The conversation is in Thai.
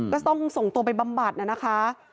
ก็ต้องส่งตัวไปบำบัดนะคะ